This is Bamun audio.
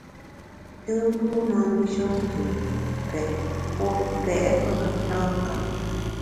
Tùnndû na mbishe nzu’, pè, pô pèt pengeptankap.